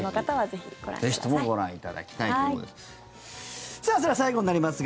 ぜひともご覧いただきたいと思います。